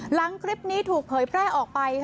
หลังคลิปนี้ถูกเผยแพร่ออกไป